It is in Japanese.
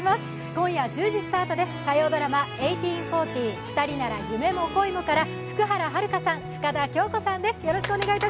今夜１０時スタートです火曜ドラマ「１８／４０ふたりなら夢も恋も」から福原遥さん、深田恭子さんです。